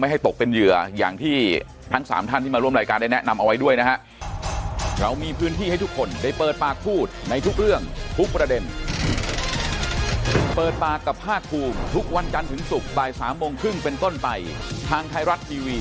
ให้ตกเป็นเหยื่ออย่างที่ทั้ง๓ท่านที่มาร่วมรายการได้แนะนำเอาไว้ด้วยนะฮะ